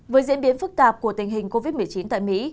với diễn biến phức tạp của tình hình covid một mươi chín tại mỹ